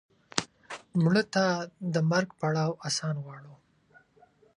مړه ته د مرګ پړاو آسان غواړو